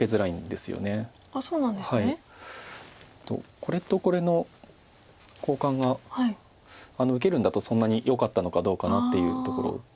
これとこれの交換が受けるんだとそんなによかったのかどうかなっていうところです。